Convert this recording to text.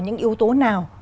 những yếu tố nào